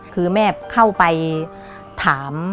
คือแม่เข้าไปถาม